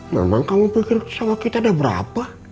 memang kamu pikir sama kita ada berapa